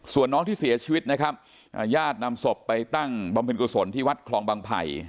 ส่วนน้องที่เสียชีวิตนะครับญาตินำศพไปตั้งบำเพ็ญกุศลที่วัดคลองบางไผ่